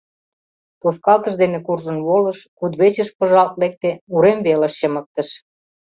Тошкалтыш дене куржын волыш, кудывечыш пыжалт лекте, урем велыш чымыктыш.